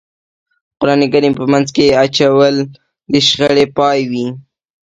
قرآن کریم په منځ کې اچول د شخړې پای وي.